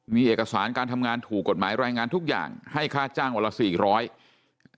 มีเอกสารการทำงานถูกกฎหมายรายงานทุกอย่างให้ค่าจ้างอร่อยละ๔๐๐